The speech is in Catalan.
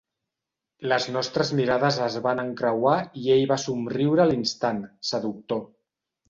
Les nostres mirades es van encreuar i ell va somriure a l'instant, seductor.